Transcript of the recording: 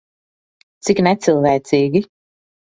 Cik necilvēcīgi.